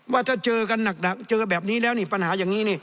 ว่าถ้าเจอกันหนักเจอแบบนี้แล้วนี่ปัญหาอย่างนี้นี่